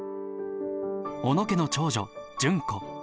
小野家の長女純子。